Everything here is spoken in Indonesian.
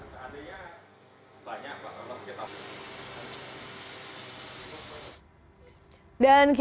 seandainya banyak pasangan orang kita